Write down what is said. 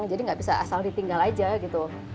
jadi gak bisa asal ditinggal aja gitu